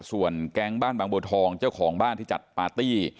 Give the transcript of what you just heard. ส่วนแก๊งบ้านบางบัวทองเจ้าของบ้านที่จัดปาร์ตี้